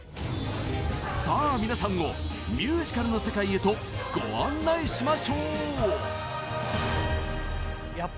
さあ皆さんをミュージカルの世界へとご案内しましょう！